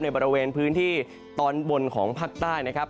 บริเวณพื้นที่ตอนบนของภาคใต้นะครับ